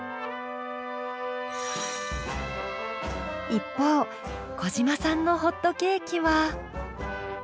一方小嶋さんのホットケーキは。